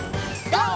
ＧＯ！